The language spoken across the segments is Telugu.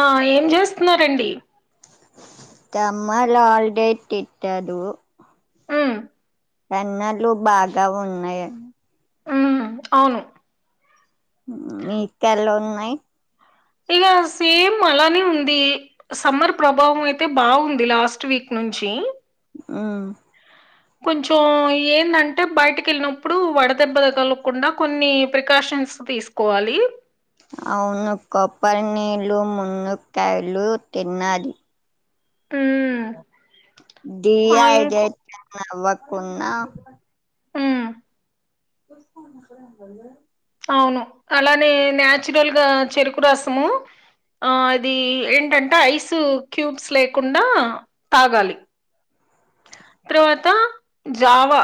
ఆ ఏం చేస్ స్తున్నారంండి సమ్మర్ హాలిడేస్ ఇచ్చారు ఉమ్ ఎండలు బాగా ఉన్నాయి ఉమ్ అవును హ్మ్మ్ మేకలున్నాయ్ ఇక సేమ్ అలానే ఉంది సమ్మర్ ప్రభావం అయితే బాగుంది లాస్ట్ వీక్ నుంచి. హ్మ్మ్ కొంచెం ఏంటంటే బయటకి వెళ్ళినప్పుడు వడ దెబ్బ తగలకుండా కొన్ని ప్రికాషన్స్ తీసుకోవాలి. అవును కొబ్బరి నీళ్ళ మున్నక్కయలు తినాలి హ్మ్మ్ డిహైడ్రేట్ అవ్వకున్నా ఉమ్ అవును అలానే న్యాచురల్గా చెరుకు రసము అది ఏంటంటే ఐస్ క్యూబ్స్ లేకుండా తాగాలి తర్వాత జావా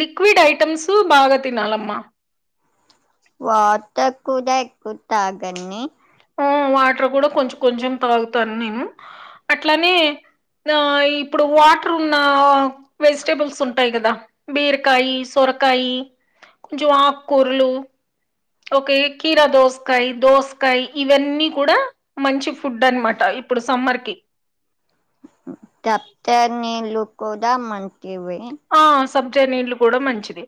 లిక్విడ్ ఐటమ్స్ బాగా తినాలమ్మా. వాటర్ కూడా ఎక్కువ తాగలి ఆ వాటర్ కూడా కొంచెం కొంచెం తాగుతాను నేను అట్లానే ఆ ఇప్పుడు వాటర్ ఉన్న వెజిటబుల్స్ ఉంటాయి కదా బీరకాయ సొరకాయ కొంచెం ఆకుకూరలు. ఓకే కీరా దోసకాయ దోసకాయ ఇవన్నీ కూడా మంచి ఫుడ్ అనమాట ఇప్పుడు సమ్మర్ కి. కొబ్బరి నీళ్ళు కూడా మన్ ఇవి ఆ సబ్జా నీళ్లు కూడా మంచిది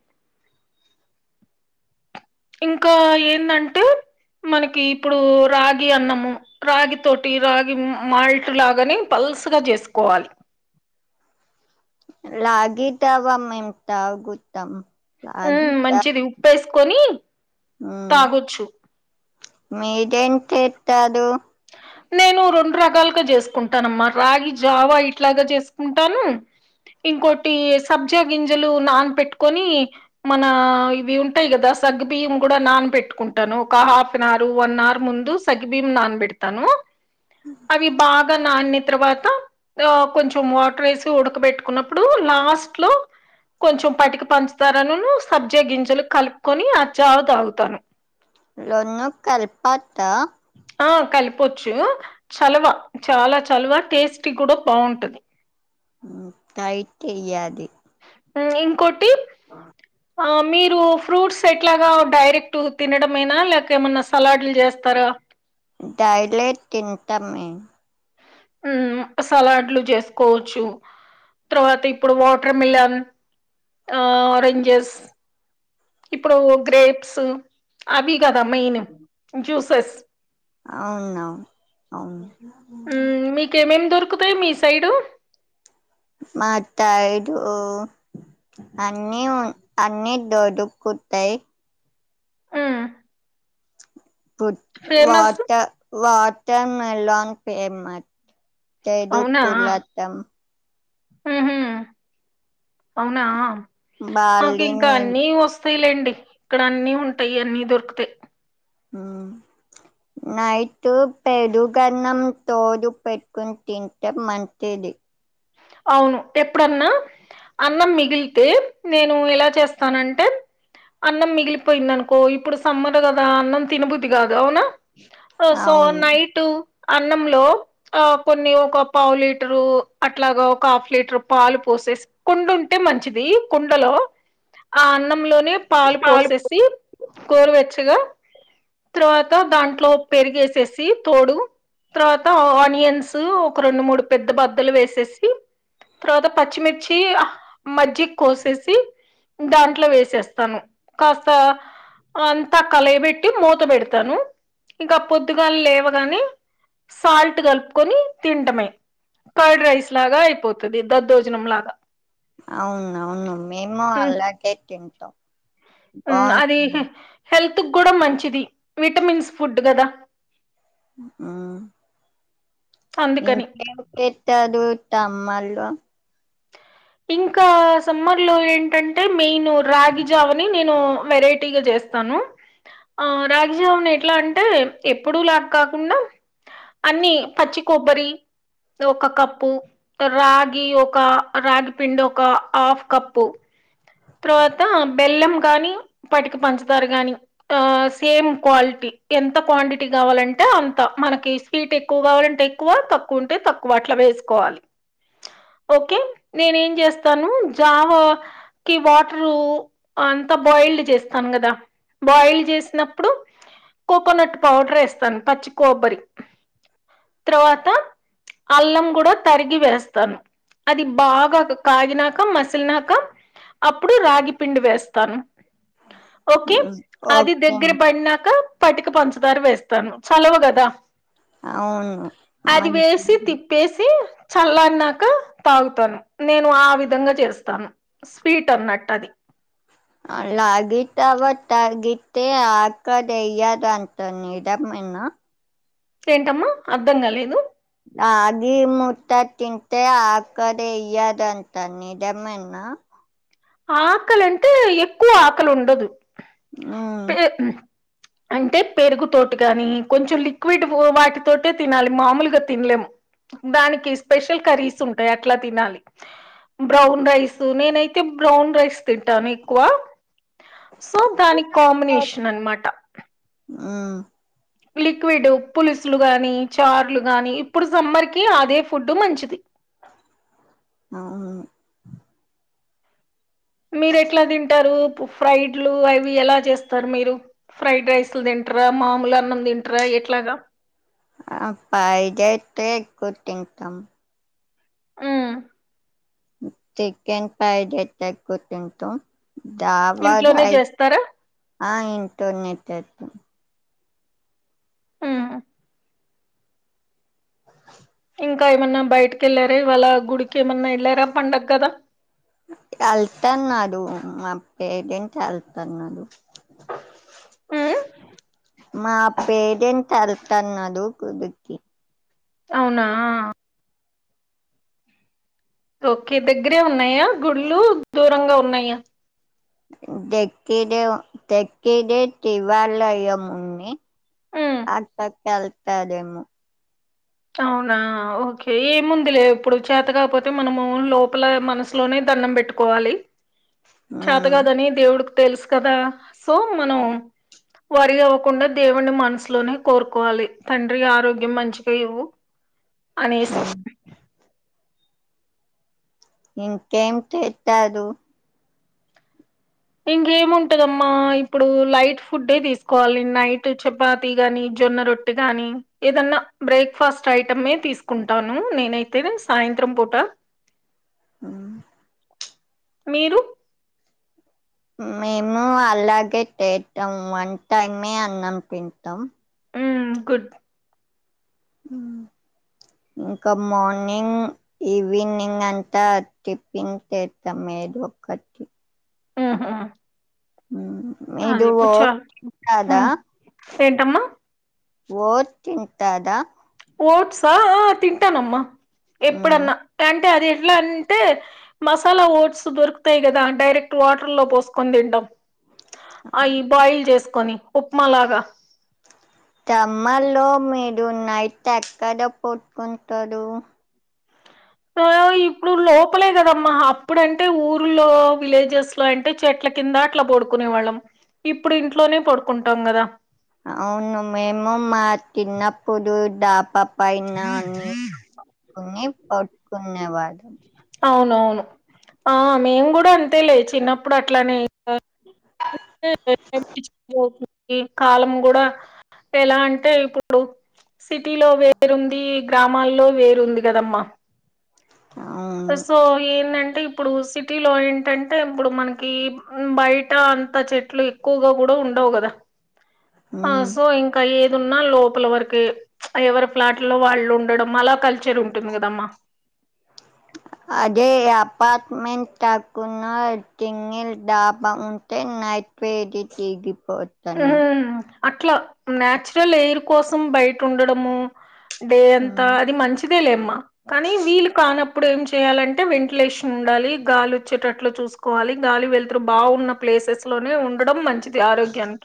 ఇంకా ఏమంటే మనకి ఇప్పుడు రాగి అన్నము రాగి తోటి రాగి మాల్ట్ లాగాని పల్సగ చేసుకోవాలి. రాగి జావా మిల్క్ తగుతామ్ అది కొని హ్మ్మ్ మీరేం తింటారు నేను రెండు రకాలుగా చేసుకుంటానమ్మా రాగి జావా ఇట్లాగా చేసుకుంటాను ఇంకోటి సబ్జా గింజలు నాన్ పెట్టుకొని మన ఇవి ఉంటాయి కదా సగ్గు బియ్యం నాన పెట్టుకుంటాను ఒక half an hour one hour ముందు సగ్గుబియ్యం నాన పెట్టి తను అవి బాగా నాణ్య తర్వాత ఆ కొంచెం వాటర్ వేసి ఉడకబెట్టుకున్నప్పుడు లాస్ట్ లో కొంచెం పటికి పంచుతారని సబ్జా గింజలు కలుపుకొని ఆ జావ తాగుతాను. లోన్న కల్పత ఆ కలపవచ్చు చలవా చాలా చలవా టేస్టీ కూడా బాగుంటది. హ్మ్మ్ కైట్టెయ్యది ఇంగ్కోటి ఆ ఆ మీరు ఫ్రూట్స్ ఎట్లాగా డైరెక్ట్ తినడ మేన లేక ఏమన్నా సలాడ్లు చేస్తారా డైలైట్ తింటాం మేము హ్మ్మ్ సలాడ్లు చేసుకోవచ్చు తర్వాత ఇప్పుడు వాటర్ మిలన్ ఆరెంజెస్ ఇప్పుడు గ్రేప్స్ అవి కదా మెయిన్ జూస్ ఫ్లస్ అవును అవును అవును హ్మ్మ్ మీకేమేమి దొరుకుతాయి మీ సైడు మా సైడు అన్నీ ఉ అన్నీ దొరుకుతాయి మ్మ్ వాట ఫేమస్ వాటర్ వాట్ టర్ లోంగ్ పేమెట్ చదువుకులతం హ అవునా మాకు బార్లీ ఇంకా నీళ్ళు అన్ని వస్తాయిలేండి ఇక్కడ అన్ని ఉంటాయి అన్ని దొరికుతాయి నైట్ పెరుగరణం తోడు పెట్టుకుని తింటే మంచిది అవును ఎప్పుడన్నా అన్నం మిగిలితే నేను ఎలా చేస్తానంటే అన్నం మిగిలిపోయింది అనుకో ఇప్పుడు సమ్మరు కదా అన్నం తిినబుద్ది కాదు నా సో అవును నైట్ అన్నంలో ఆ కొన్ని ఒక పావు లీటరు అ అట్లాగా ఒక హాఫ్ లీటర్ పాలు పోసేసి కుండ ఉంటే మంచిది కుండలో ఆ అన్నంలో పాలు పోసేసి కోరవచ్చగా తర్వాత దాంట్లో పెరిగేసేసి తోడు తర్వాత ఆనియన్స్ ఒక రెండు మూడు పెద్ద బద్దలు వేసేసి తర్వాత పచ్చిమిర్చి మజ్జి కోసేసి దాంట్లో వేసేస్తాను కాస్త అంతా కలబెట్టి మూత పెడతాను ఇంకా పొద్దుగా లేవగానే సాల్ట్ కలుపుకొని తింటమే ఫైడ్ రైస్ లాగా అయిపోతుది దద్దోజనం లాగా అవును అవును మేము ఉమ్ అలాగే తింట అది హెల్త్ కూడా మంచిది విటమిన్స్ ఫుడ్ కదా ఆ అందుకని ఇంకే పెట్టదు త అమ్మాలు ఇంకా సమ్మర్ లో ఏంటంటే మెయిన్ ను రాగిజావని నేను వెరైటీగా చేస్తాను ఆ రాగి జామున్ ఎట్లా అంటే ఎప్పుడు లాగ కాకుండా అన్ని పచ్చి కొబ్బరి ఒక కప్పు రాగి ఒక రాగి పిండి ఒక హాఫ్ కప్పు తర్వాత బెల్లం కాగానీ పటికి పంచతార గాని ఆ సేమ్ క్వాలిటీ ఎంత క్వాంటిటీ కావాలంటే అంత మనకి స్వీట్ ఎక్కువ కావాలంటే ఎక్కువ తక్కువ ఉంటే తక్కువ అట్లా వేసుకోవాలి ఓకే నేనేం చేస్తాను జావా కిి వాటరు అంతా బాయిల్డ్ చేస్తాను కదా బాయిల్ చేసినప్పుడు కోకోనట్ పౌడర్ వేస్తాను పచ్చి కొబ్బరి తర్వాత అల్లం కూడా తరిగి వేస్తాను అది బాగా కాగిినక మసిలినాక అప్పుడు రాగి పిండి వేస్తాను ఓకే అది ఓకే దగ్గర పడినాక పటిక పంచదార వేస్తాను చలువ గదా. అవును అది వేసి మంచిది తిప్పేసి చల్లాని నాక తాగుతాను నేను ఆ విధంగా చేస్తాను స్వీట్ అన్నట్టు అది అ లాగితవ తగితే ఆకదయ్యద అంత నిదంన్న ఏంటమ్మా అర్ధం క లేదు ఆగి మూట్ట తింత ఆకదే అయ్యదంతా నిదమన్నా ఆకలింటే ఎక్కువ ఆకలి ఉండదు ఆ పే అంటే పెరుగు తటి గాని కొంచెం లిక్విడ్ వాటితోటే తినాలి మామూలుగా తినలేము దానికి స్పెషల్ కర్రీస్ ఉంటాయి అట్లా తినాలి బ్రౌన్ రైస్ నేనైతే ఇ బ్రాన్ రైస్స్ తింటాను ఎక్కువ సో దానికి కాంబినేషన్ అనమాట ఊ లిక్విడు పులుసులు గానీ, చార్లు గానీ. ఇప్పుడు సమ్మర్ కి అదే ఫుడ్డు మంచిది. ఆ మీరు ఎట్లా తింటారూ ఫ్రైడ్లూ అవి ఎలా చేస్తారు మీరు. ఫ్రైడ్ రైస్లు తింటరా, మామూలు అన్నం తింటరా ఎట్లాగా. ఆ పైజైయితే ఎక్కువ తింటాం. ఉమ్ చికెన్ ఫ్రైడ్ అయితే ఎక్కువ తింటాం. దాబా ఇంట్లోనే రైస్ చేస్తారా ఆ ఇంటోనే చేత్తాం ఉమ్ ఇంకా ఏమన్నా బయటకెళ్లారా ఇవాళ్ళా గుడిక్ ఏమన్నా ఎళ్ళారా పండగ గదా తాన్నాడు మా పేరెంట్ వెళ్తన్నాడు ఆ మా పేరెంట్ ఎల్తా అన్నాడు గుడికీ అవునా ఓకే దగ్గరే ఉన్న్ న్నాయా గుళ్లు దూరంగా ఉన్నా [inaudible] యా లెక్కా దెక్కడే శివాలయం ముంది ఉమ్ అత్తా కల్ తాదేమో అవునా ఓకే ఏముంది లే ఇప్పుడు చేత కాకపోతే మనమూ లోపల మనసులోనే దండం పెట్టుకోవాలి. మ్మ్ చేతగాదనీ దేవుడుక్ తెలుసు కదా సో మనం వర్రీ అవ్వకుండా దేవుని మనసులోనే కోరుకోవాలి. తండ్రి ఆరోగ్యం మంచి గఇవ్వు అనేసి ఇంకేం చేతారు. ఇంకేముంటదమ్మా ఇప్పుడూ లైట్ ఫుడ్డే తీసుకోవాలి. నైట్ చపాతి గానీ, జొన్న రొట్టి గానీ, ఏదన్నా బ్రేక్ఫాస్ట్ ఐటమ్ ఏ తీసుకుంటానూ. నేనైతే సాయంత్రం పూట హా మీరు మేము అలాగే తీటాం వన్ టైమే అన్నం తింటాం. ఊ గుడ్ ఇంకా మార్నింగ్ ఈవినింగ్ అంతా టిఫిన్ తిటాం ఏధోకటి. ఆహా మీరూ ఓ [inaudible] తింటాదా మ్. ఏంటమ్మా ఓట్ తింటాదా ఓట్సా ఆ తింటానమ్మా ఎప్పుడన్నా టైం అది ఎట్లా అంటే మసాలా ఓట్స్ దొరుకుతాయి కదా డైరెక్ట్ వాటర్ లో పోసుకొని తింటాం అవి బాయిల్ చేసుకొని ఉప్మాలాగా సమ్మర్లో మీరు నైట్ ఎక్కడ పడుకుంటారు ఆ ఇప్పుడు లోపలే కదమ్మా అప్పుడంటే ఊర్లో విలేజెస్ లో అంటే చెట్ల కింద అట్లా పడుకునే వాళ్ళం ఇప్పుడు ఇంట్లోనే పడుకుంటాం కదా అవును మేము మా చిన్నపుడు డాబా పైన నీ పట్టుకుని పడుకునే వాళ్ళం అవునవును ఆ మేము కూడా అంతేలే చిన్నప్పుడు అట్లానే కాలం కూడా ఎలా అంటే ఇప్పుడు సిటీలో వేరుంది గ్రామాల్లో వేరుంది కదమ్మా అవును సో ఎందంటే ఇ ప్పుడు సిటీలో ఏంటంటే ఇప్పుడు మనకి బయట అంత చెట్లు ఎక్కువగా కూడా ఉండవు కదా ఆ మ్మ్ సో ఇంకా ఏ వున్నా లోపల వరకే ఎవరి ఫ్లాట్ లో వాళ్ళు ఉండడం అలా కల్చర్ ఉంటుంది కదమ్మా అదే అపార్ట్మెంట్ కాకుండా సింగిల్ డాబా ఉంటెన్ నైట్ వేదిగి పోతన్ని హ్మ్ అట్లా నాచురల్ ఎయిర్ కోసం బయట ఉండడము డే అంతా మ్మ్ అది మంచిది అంతే లేమ్మ కానీ వీళ్ళు కానప్పుడు ఏం చేయాలంటే వెంటిలేషన్ ఉండాలి గాలి వచ్చేటట్లు చూసుకోవాలి గాలి వెళ్తురు బాగున్న ప్లేసెస్ లోనే ఉండడం మంచిది ఆరోగ్యానికి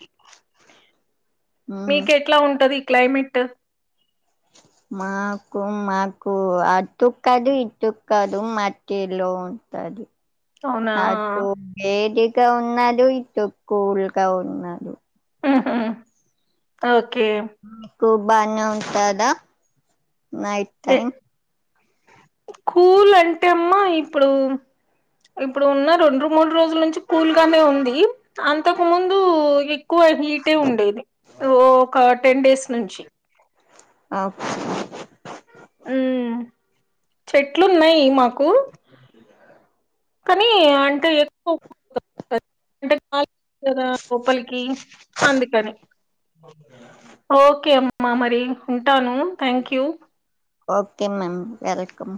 మ్మ్ మీకు ఎట్లా ఉంటది క్లైమెట్ మాకు మాకు అటు కాదు ఇటు కాదు మద్యలో ఉంటది అవునా అటు వేడి గా ఉండదు ఇటు కూల్ గా ఉండదు ఓకే ఓకే కువ బానే ఉంటదా నైట్ టైం కూల్ అంటే అమ్మా ఇప్పుడు ఇప్పుడు ఉన్న రెండు మూడు రోజుల నుంచి కూల్గానే ఉంది అంతకు ముందు ఎక్కువ హీటే ఉండేది ఒక టెన్ డేస్ నుంచి ఆఫ్ ఉమ్ చెట్లున్నాయి మాకు కు కానీ అంటే ఎక్కువ [unintelligible] కదా లోపలికి అందుకని ఓకే అమ్మా మా మరి ఉంటాను thank you okay ma'am welcome